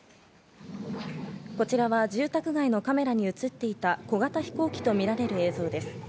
こちらは住宅街のカメラに映っていた小型飛行機とみられる映像です。